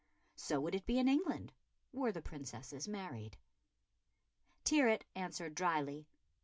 So would it be in England were the Princesses married. Tyrwhitt answered drily.